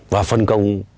và phân công